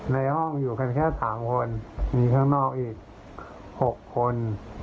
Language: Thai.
ในห้องอยู่กันแค่๓คนมีข้างนอกอีก๖คน